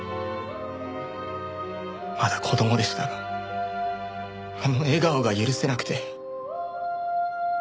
まだ子供でしたがあの笑顔が許せなくて。